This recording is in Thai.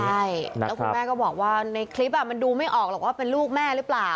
ใช่แล้วคุณแม่ก็บอกว่าในคลิปมันดูไม่ออกหรอกว่าเป็นลูกแม่หรือเปล่า